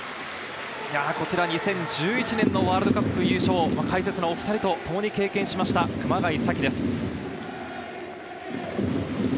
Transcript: ２０１１年のワールドカップ優勝を解説のお２人と共に経験した熊谷紗希です。